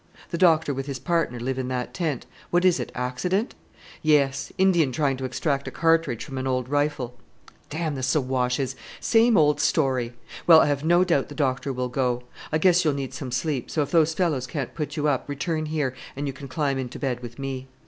"The doctor with his partner live in that tent. What is it accident?" "Yes; Indian trying to extract a cartridge from an old rifle." "Damn the Siwashes! Same old story. Well, I have no doubt the doctor will go. I guess you'll need some sleep, so if those fellows can't put you up, return here, and you can climb into bed with me."